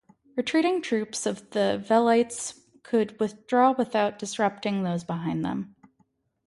Retreating troops of the "velites" could withdraw without disrupting those behind them.